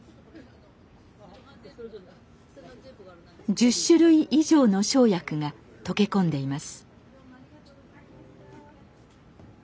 １０種類以上の生薬が溶け込んでいます。